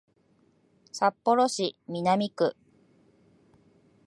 札幌市南区